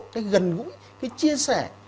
cái gần gũi cái chia sẻ